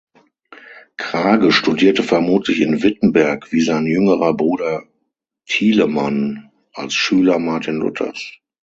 Krage studierte vermutlich in Wittenberg wie sein jüngerer Bruder Tilemann als Schüler Martin Luthers.